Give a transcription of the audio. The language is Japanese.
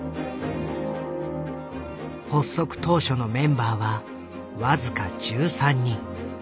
発足当初のメンバーは僅か１３人。